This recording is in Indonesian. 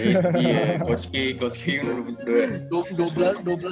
iya coach k coach k yang udah berdua